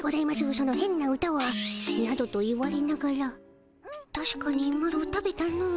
そのへんな歌は」などと言われながらたしかにマロ食べたの。